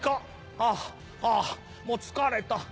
「あぁあぁもう疲れた。